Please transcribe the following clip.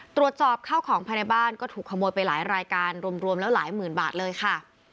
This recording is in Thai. ตรวจสอบข้าวของภายในบ้านก็ถูกขโมยไปหลายรายการรวมแล้วหลายหมื่นบาทเลยค่ะ